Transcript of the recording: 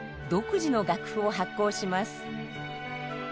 独自の楽譜を発行します。